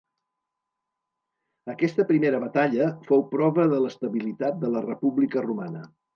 Aquesta primera batalla fou prova de l'estabilitat de la república romana.